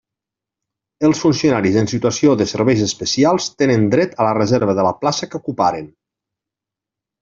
Els funcionaris en situació de serveis especials tenen dret a la reserva de la plaça que ocuparen.